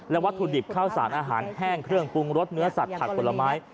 วัตถุดิบข้าวสารอาหารแห้งเครื่องปรุงรสเนื้อสัตว์ผักผลไม้